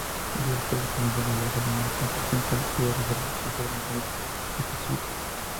Estos espacios permiten realizar una construcción colectiva de información sobre un tema específico.